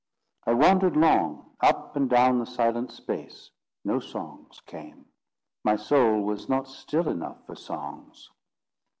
I wandered long, up and down the silent space: no songs came. My soul was not still enough for songs.